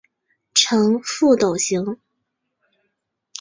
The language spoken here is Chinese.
呈覆斗形。